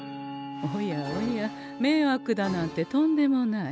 おやおやめいわくだなんてとんでもない。